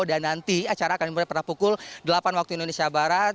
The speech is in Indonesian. dan nanti acara akan dimulai pada pukul delapan waktu indonesia barat